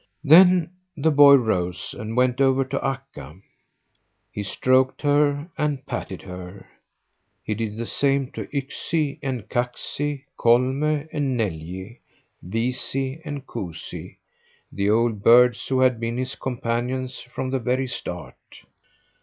Then the boy rose and went over to Akka; he stroked her and patted her. He did the same to Yksi and Kaksi, Kolme and Neljä, Viisi and Kuusi the old birds who had been his companions from the very start.